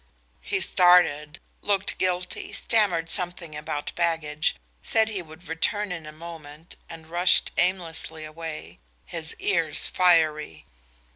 He started, looked guilty, stammered something about baggage, said he would return in a moment, and rushed aimlessly away, his ears fiery.